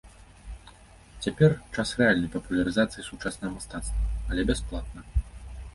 Цяпер час рэальнай папулярызацыі сучаснага мастацтва, але бясплатна.